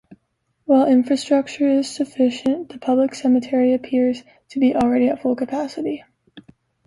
While infrastructure is sufficient, the public cemetery appears to be already at full capacity.